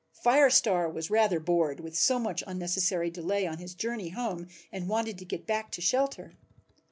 Fire Star was rather bored with so much unnecessary delay on his journey home and wanted to get back to shelter.